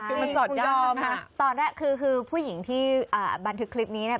คือมันจอดยอมค่ะตอนแรกคือคือผู้หญิงที่อ่าบันทึกคลิปนี้เนี่ย